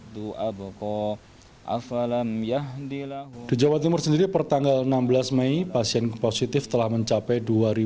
di jawa timur sendiri per tanggal enam belas mei pasien positif telah mencapai dua delapan puluh delapan